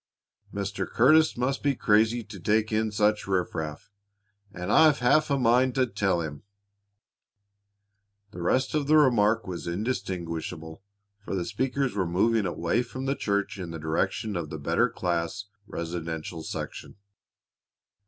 Mr. Curtis must be crazy to take in such riffraff, and I've half a mind to tell him " The rest of the remark was indistinguishable, for the speakers were moving away from the church in the direction of the better class, residential section.